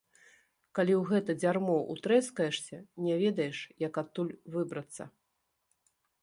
Калі ў гэта дзярмо утрэскаешся, не ведаеш, як адтуль выбрацца.